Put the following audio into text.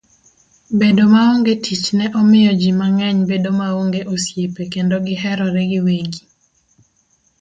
Bedo maonge tich ne miyo ji mang'eny bedo maonge osiepe kendo giherore giwegi.